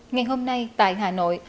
ngày hôm nay tại hà nội